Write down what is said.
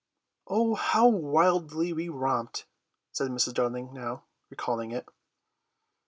"How wildly we romped!" says Mrs. Darling now, recalling it.